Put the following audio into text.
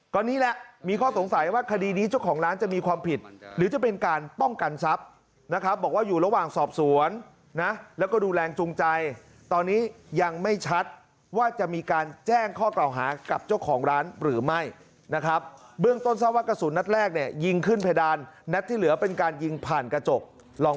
ก็นี่แหละมีข้อสงสัยว่าคดีนี้เจ้าของร้านจะมีความผิดหรือจะเป็นการป้องกันทรัพย์นะครับบอกว่าอยู่ระหว่างสอบสวนนะแล้วก็ดูแรงจูงใจตอนนี้ยังไม่ชัดว่าจะมีการแจ้งข้อกล่าวหากับเจ้าของร้านหรือไม่นะครับเบื้องต้นทราบว่ากระสุนนัดแรกเนี่ยยิงขึ้นเพดานนัดที่เหลือเป็นการยิงผ่านกระจกลอง